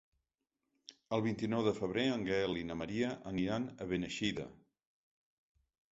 El vint-i-nou de febrer en Gaël i na Maria aniran a Beneixida.